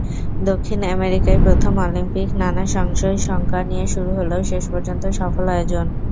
দক্ষিণ আমেরিকায় প্রথম অলিম্পিক, নানা সংশয়-শঙ্কা নিয়ে শুরু হলেও শেষ পর্যন্ত সফল আয়োজন।